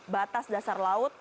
batas dasar laut